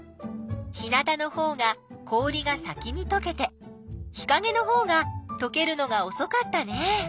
日なたのほうが氷が先にとけて日かげのほうがとけるのがおそかったね。